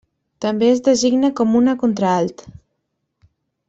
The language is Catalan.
També es designa com una contralt.